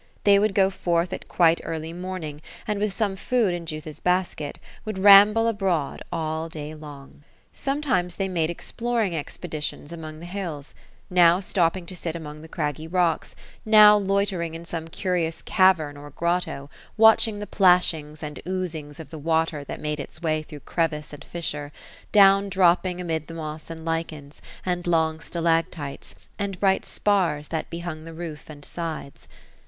They would go forth at quite early morning, and with some food in Jutha's basket, would ramble abroad all day long. Sometimes^ they made exploring ex< THE ROSE OF ELSINORE. 199 pcditioDS amoDg the hills; now stopping to sit among the craggy rocks; now loitering in some curious cavern or grotto, watching the plashings and oosings of the water that made its way through crevice and fissure, down dropping amid the moss and lichens, and long stalactites, and bright spars that be hung the roof and sides.